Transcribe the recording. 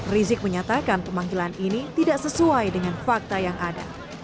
rizik menyatakan pemanggilan ini tidak sesuai dengan fakta yang ada